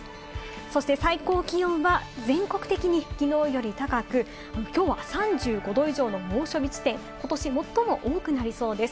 そして最高気温は全国的にきのうより高く、きょうは３５度以上の猛暑日地点、ことし最も多くなりそうです。